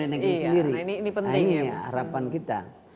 ini harapan kita